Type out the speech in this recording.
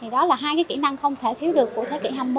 đó là hai kỹ năng không thể thiếu được của thế kỷ hai mươi một